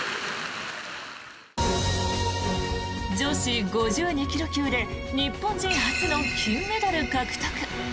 女子５２ｋｇ級で日本人初の金メダル獲得。